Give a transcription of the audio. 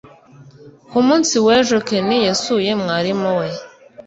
ku munsi w'ejo, ken yasuye mwarimu we